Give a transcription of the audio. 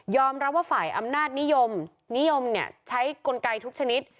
รับว่าฝ่ายอำนาจนิยมนิยมใช้กลไกทุกชนิด